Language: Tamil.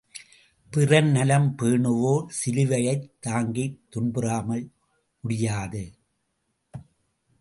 பிறர் நலம் பேணுவோர் சிலுவையைத் தாங்கித் துன்புறாமல் முடியாது.